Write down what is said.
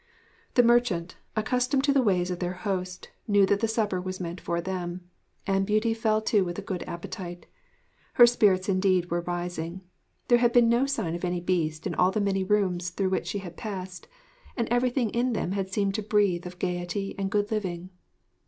The merchant, accustomed to the ways of their host, knew that the supper was meant for them, and Beauty fell to with a good appetite. Her spirits indeed were rising. There had been no sign of any Beast in all the many rooms through which she had passed, and everything in them had seemed to breathe of gaiety and good living.